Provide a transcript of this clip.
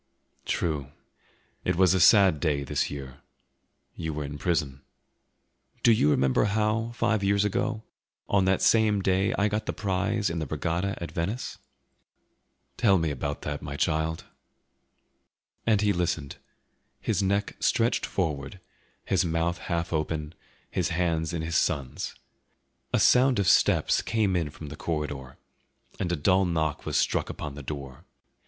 "True; it was a sad day, this year; you were in prison." "Do you remember how, five years ago, on that same day I got the prize in the regatta at Venice?" "Tell me about that, my child." And he listened, his neck stretched forward, his mouth half open, his hands in his son's. A sound of steps came in from the corridor, and a dull knock was struck upon the door.